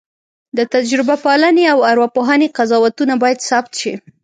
د تجربه پالنې او ارواپوهنې قضاوتونه باید ثبت شي.